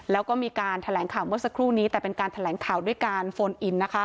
แล้วก็มีการแถลงข่าวเมื่อสักครู่นี้แต่เป็นการแถลงข่าวด้วยการโฟนอินนะคะ